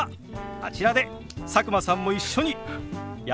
あちらで佐久間さんも一緒にやってみましょう！